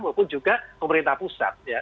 maupun juga pemerintah pusat ya